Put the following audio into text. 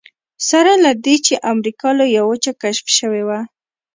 سره له دې چې امریکا لویه وچه کشف شوې وه.